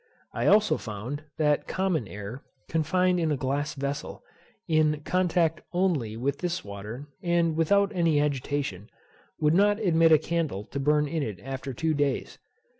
I also found, that common air, confined in a glass vessel, in contact only with this water, and without any agitation, would not admit a candle to burn in it after two days.